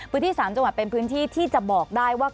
พื้นที่๓จังหวัดเป็นพื้นที่ที่จะบอกได้ว่า